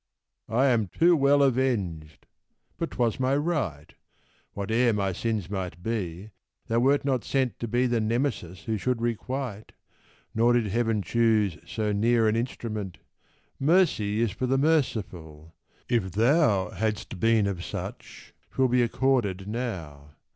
I am too well avenged! but 'twas my right; Whate'er my sins might be, thou wert not sent To be the Nemesis who should requite Nor did Heaven choose so near an instrument. Mercy is for the merciful! if thou Hast been of such, 'twill be accorded now.